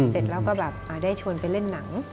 เสร็จแล้วก็แบบได้ชวนไปเล่นหนัง